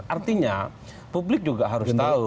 artinya publik juga harus tahu